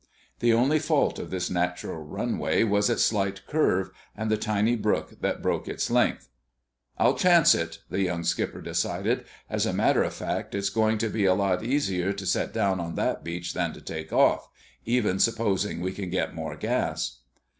The only fault of this natural runway was its slight curve, and the tiny brook that broke its length. "I'll chance it," the young skipper decided. "As a matter of fact, it's going to be a lot easier to set down on that beach than to take off—even supposing we can get more gas."